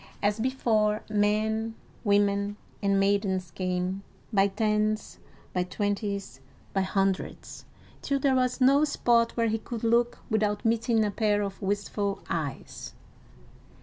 As before, men, women, and maidens came, by tens, by twenties, by hundreds, till there was no spot where he could look without meeting a pair of wistful eyes.